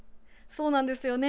そうなんですよね。